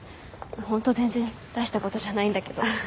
ホント全然大したことじゃないんだけど。